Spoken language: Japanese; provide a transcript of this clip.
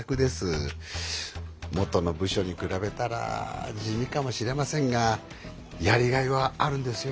もとの部署に比べたら地味かもしれませんがやりがいはあるんですよ。